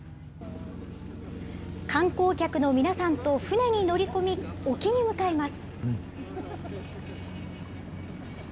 観光客の皆さんと船に乗り込み、沖に向かいます。